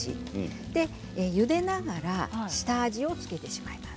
ゆでながら下味を付けていきます。